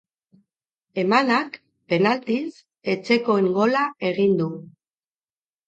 Emanak, penaltiz, etxekoen gola egin du.